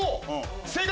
正解！